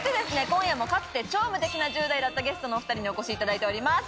今夜もかつて超無敵な１０代だったゲストのお２人にお越しいただいております